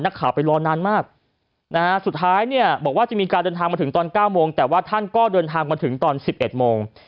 นักข่าวไปรอนานมากนะฮะสุดท้ายเนี่ยบอกว่าจะมีการเดินทางมาถึงตอน๙โมงแต่ว่าท่านก็เดินทางมาถึงตอน๑๑โมง